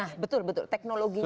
nah betul teknologinya